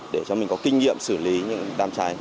để cho mình có kinh nghiệm xử lý những đám cháy